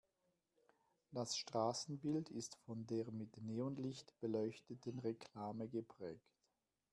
Das Straßenbild ist von der mit Neonlicht beleuchteten Reklame geprägt.